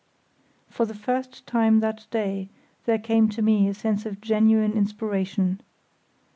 For the first time that day there came to me a sense of genuine inspiration.